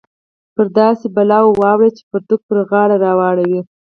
پر داسې بلا واوړې چې پرتوګ پر غاړه راوړې